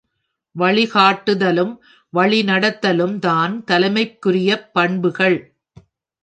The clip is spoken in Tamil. வழிகாட்டுதலும் வழிநடத்துதலும் தான் தலைமைக்குரியப் பண்புகள்.